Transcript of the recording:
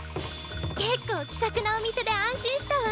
結構気さくなお店で安心したわ！